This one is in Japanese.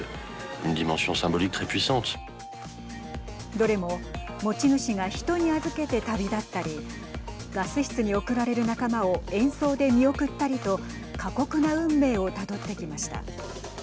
どれも持ち主が人に預けて旅立ったりガス室に送られる仲間を演奏で見送ったりと過酷な運命をたどってきました。